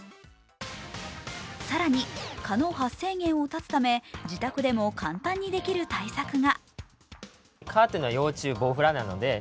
更に蚊の発生源をたつため自宅でも簡単にできる対策が。